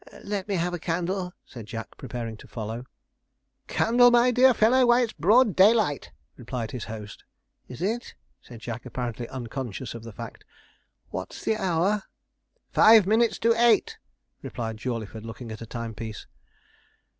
'Let me have a candle,' said Jack, preparing to follow. 'Candle, my dear fellow! why, it's broad daylight,' replied his host. 'Is it?' said Jack, apparently unconscious of the fact. 'What's the hour?' 'Five minutes to eight,' replied Jawleyford, looking at a timepiece.